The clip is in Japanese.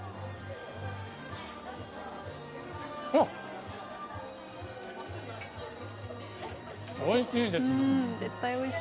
あっ、おいしいです。